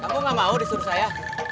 aku gak mau disuruh saya